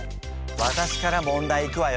私から問題いくわよ。